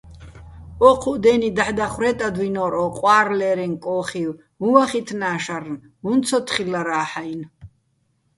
ო́ჴუჸ დე́ნი დაჰ̦ დახვრე́ტადვინორ ო ყვა́რლერეჼ კოხივ, უ̂ჼ ვახითნა შარნ, უ̂ჼ ცო თხილლარა́ჰ̦-აჲნო̆.